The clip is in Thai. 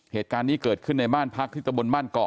เหตุการณ์นี้เกิดขึ้นในบ้านพักที่ตะบนบ้านเกาะ